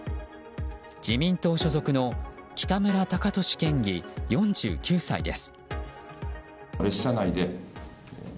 自民党所属の北村貴寿県議４９歳です。